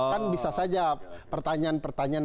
kan bisa saja pertanyaan pertanyaan